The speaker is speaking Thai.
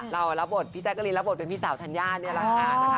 เรารับบทพี่แซคเกอรินรับบทเป็นพี่สาวธัญญาเนี่ยแหละค่ะ